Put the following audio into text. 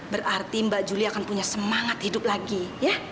berarti mbak juli akan punya semangat hidup lagi ya